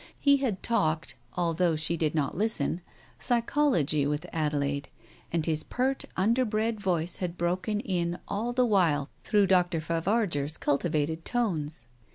He had talked, although she did not listen, psychology with Adelaide, and his pert underbred voice had broken in all the while through Dr. Favarger's cultivated tones.